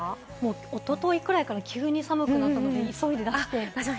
おとといくらいから急に寒くなったので、急いで出して。